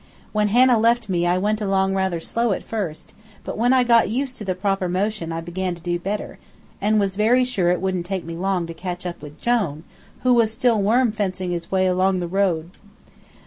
When Hannah left me I went along rather slow at first, but when I got used to the proper motion I began to do better, and was very sure it wouldn't take me long to catch up with Jone, who was still worm fencing his way along the road.